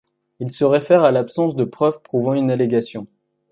Il se réfère à l'absence de preuve prouvant une allégation.